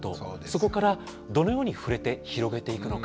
そこからどのように触れて広げていくのか。